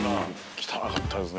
汚かったですね